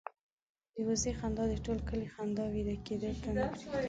د وزې خندا د ټول کلي خلک وېده کېدو ته نه پرېږدي.